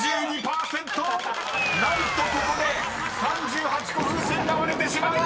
［何とここで３８個風船が割れてしまう！］